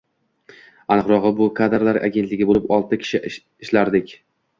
Aniqrogʻi, bu kadrlar agentligi boʻlib, olti kishi ishlardik.